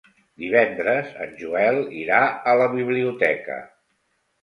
Divendres en Joel irà a la biblioteca.